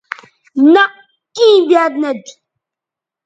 نہء کیں بیاد نہ تھی